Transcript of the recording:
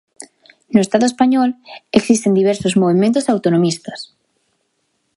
No Estado español existen diversos movementos autonomistas.